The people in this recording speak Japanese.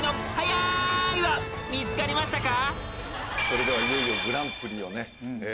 それではいよいよグランプリをね。